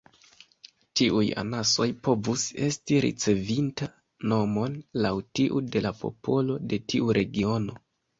Tiuj anasoj povus esti ricevinta nomon laŭ tiu de la popolo de tiu regiono.